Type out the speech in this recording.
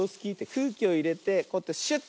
くうきをいれてこうやってシュッ。